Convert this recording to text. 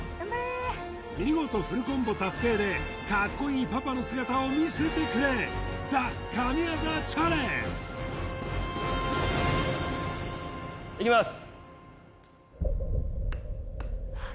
見事フルコンボ達成でかっこいいパパの姿を見せてくれいきます